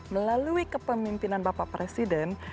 melalui kepemimpinan bapak presiden